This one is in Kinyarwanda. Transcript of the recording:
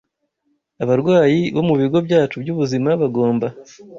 Abarwayi bo mu bigo byacu by’ubuzima bagomba